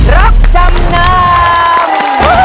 รับจำนำ